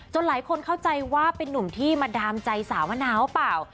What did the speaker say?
หลายคนเข้าใจว่าเป็นนุ่มที่มาดามใจสาวมะนาวเปล่า